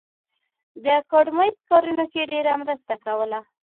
د اکاډمۍ په کارونو کې ډېره مرسته کوله